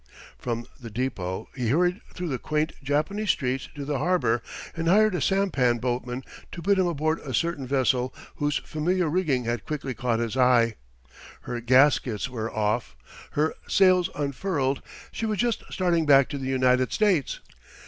From the depot he hurried through the quaint Japanese streets to the harbor, and hired a sampan boatman to put him aboard a certain vessel whose familiar rigging had quickly caught his eye. Her gaskets were off, her sails unfurled; she was just starting back to the United States.